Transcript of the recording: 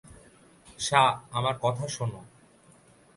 শা, আমার কথা শোন।